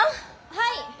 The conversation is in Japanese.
・はい！